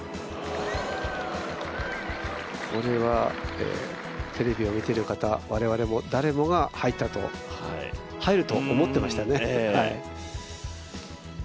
これはテレビを見ている方、我々も、誰もが入ったと、入ると思ってましたね。